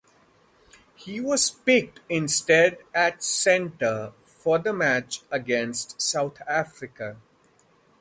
He was picked instead at Centre for the match against South Africa.